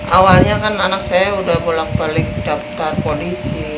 awalnya kan anak saya sudah bolak balik daptar polisi